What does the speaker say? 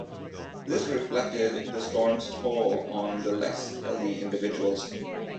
This reflected the storm's toll on the less healthy individuals.